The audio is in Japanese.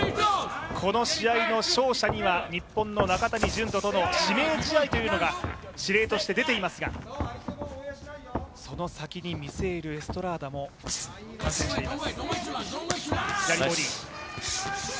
この試合の勝者には日本の中谷潤人との指名試合というのが指令として出ていますがその先に見据えるエストラーダも観戦しています。